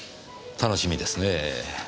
楽しみですねぇ。